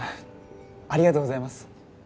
ありがとうございます